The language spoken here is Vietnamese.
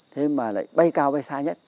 thế mà lại bay cao bay xa nhất